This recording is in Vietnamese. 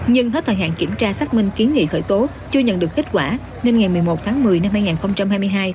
nhưng hết thời hạn kiểm tra xác minh kiến nghị khởi tố chưa nhận được kết quả nên ngày một mươi một tháng một mươi năm hai nghìn hai mươi hai